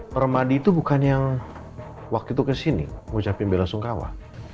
permadi itu bukan yang waktu itu kesini mengucapkan bela sungkawa